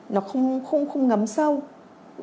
nó không không không ngắm sâu ấy